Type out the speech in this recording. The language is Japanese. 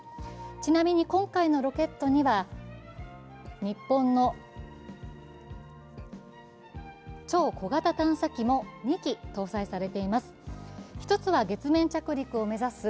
ちなみに今回のロケットには、日本の超小型探査機も２機搭載されています。